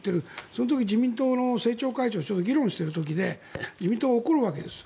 その時に自民党の政調会長がちょうど議論している時で自民党が怒るわけです。